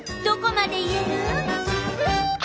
どこまでいえる？